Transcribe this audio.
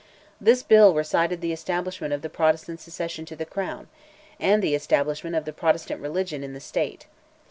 This bill recited the establishment of the Protestant succession to the crown, and the establishment of the Protestant religion in the State.